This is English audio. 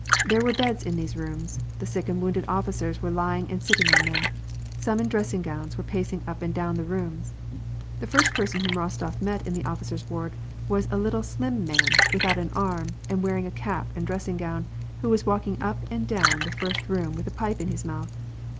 There were beds in these rooms ; the sick and wounded officers were lying and sitting on them. Some, in dressing gowns, were pacing up and down the rooms. The first person whom Rostof met in the officer's ward was a little slim man, without an arm, and wearing a cap and dressing gown, who was walking up and down the first room with a pipe in his mouth.